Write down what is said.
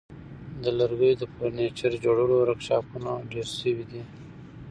د لرګیو د فرنیچر جوړولو ورکشاپونه ډیر شوي دي.